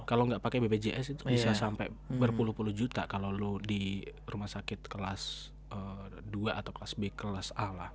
kalau nggak pakai bpjs itu bisa sampai berpuluh puluh juta kalau lo di rumah sakit kelas dua atau kelas b kelas a lah